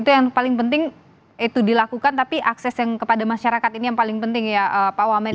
itu yang paling penting itu dilakukan tapi akses yang kepada masyarakat ini yang paling penting ya pak wamen